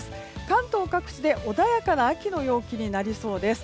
関東各地で穏やかな秋の陽気になりそうです。